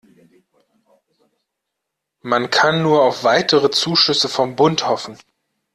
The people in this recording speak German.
Man kann nur auf weitere Zuschüsse vom Bund hoffen.